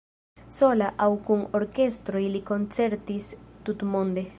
Sola aŭ kun orkestroj li koncertis tutmonde.